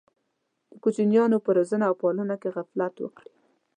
د کوچنیانو په روزنه او پالنه کې غفلت وکړي.